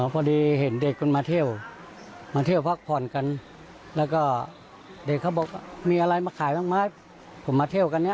พอดีเห็นเด็กคนมาเที่ยวมาเที่ยวพักผ่อนกันแล้วก็เด็กเขาบอกว่ามีอะไรมาขายบ้างไหมผมมาเที่ยวกันเนี่ย